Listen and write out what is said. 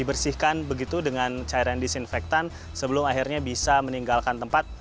dibersihkan begitu dengan cairan disinfektan sebelum akhirnya bisa meninggalkan tempat